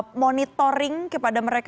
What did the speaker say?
atau monitoring kepada mereka